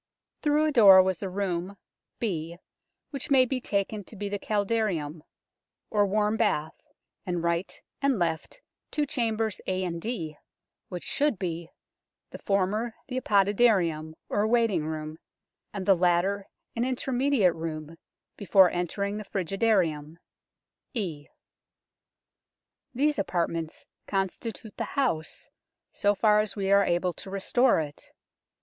Through a door was a room (B) which may be taken to be the Caldarium, or warm bath, and right and left two chambers A and D, which should be, the former the Apoditerium, or waiting room, and the latter an intermediate room before entering the Frigidarium (E). These apartments constitute the house so far as we are able to restore it.